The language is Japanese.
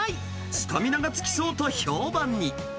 スタミナがつきそうと評判に。